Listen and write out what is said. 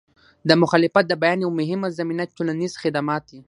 د مخالفت د بیان یوه مهمه زمینه ټولنیز خدمات دي.